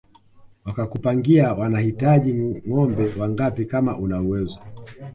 Wakakupangia wanahitaji ngombe wangapi kama una uwezo